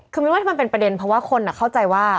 คือมินว่าถ้ามันเป็นประเด็นเพราะว่าคนเข้าใจว่า